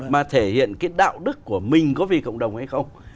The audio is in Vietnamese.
mà thể hiện cái đạo đức của mình có vì cộng đồng hay không